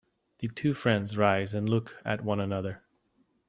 The two friends rise and look at one another.